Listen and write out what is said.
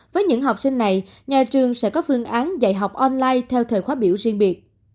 với những học sinh này nhà trường sẽ có phương án dạy học online theo thời khóa biểu riêng biệt